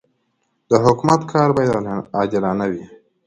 د حکومت کار باید عادلانه وي.